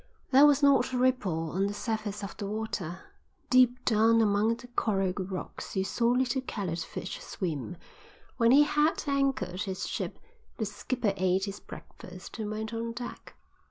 There was not a ripple on the surface of the water. Deep down among the coral rocks you saw little coloured fish swim. When he had anchored his ship the skipper ate his breakfast and went on deck.